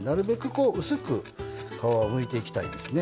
こう薄く皮をむいていきたいですね。